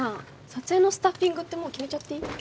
撮影のスタッフィングってもう決めちゃっていい？